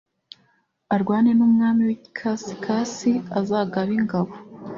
arwane n umwami w ikasikazi azagaba ingabo